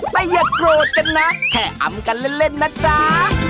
แต่อย่าโกรธกันนะแค่อำกันเล่นนะจ๊ะ